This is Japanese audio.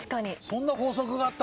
そんな法則があった？